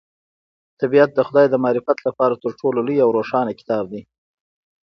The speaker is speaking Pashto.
طبیعت د خدای د معرفت لپاره تر ټولو لوی او روښانه کتاب دی.